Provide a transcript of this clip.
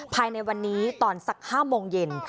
ภายในวันนี้ตอนสัก๕โมงเย็น